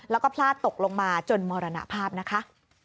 แล้วก็พลาดตกลงมาจนมรณภาพนะคะ